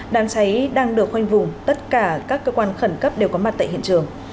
đám cháy đang được khoanh vùng tất cả các cơ quan khẩn cấp đều có mặt tại hiện trường